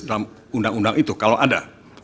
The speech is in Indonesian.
dalam undang undang itu kalau ada